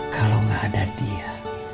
kalau gak ada dia